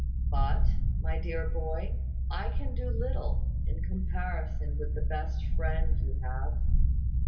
"But, my dear boy, I can do but little, in comparison with the best Friend you have.